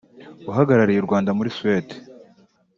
uhagarariye u Rwanda muri Suède